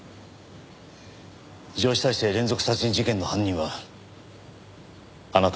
女子大生連続殺人事件の犯人はあなたです。